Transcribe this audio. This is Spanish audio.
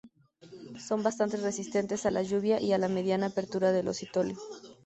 Son bastante resistentes a la lluvia y mediana a la apertura del ostiolo.